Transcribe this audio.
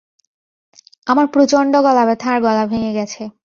আমার প্রচন্ড গলা ব্যথা আর গলা ভেঙ্গে গেছে।